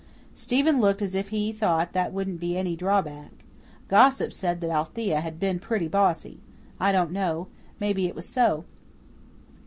Stephen looked as if he thought that wouldn't be any drawback. Gossip said that Althea had been pretty bossy. I don't know. Maybe it was so.